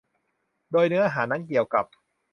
โดยเนื้อหานั้นเกี่ยวกับ